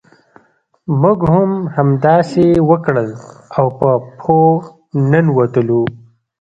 موږ هم همداسې وکړل او په پښو ننوتلو.